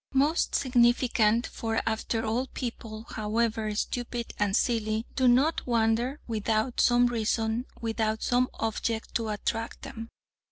Most significant, for after all people, however "stupid" and "silly," do not wander without some reason, without some object to attract them.